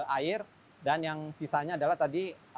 air dan yang sisanya adalah tadi